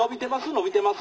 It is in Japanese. のびてます」。